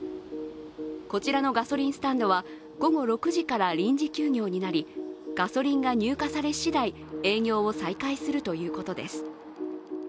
こちらのガソリンスタンドは午後６時から臨時休業となりガソリンが入荷されしだい営業を再開するということです。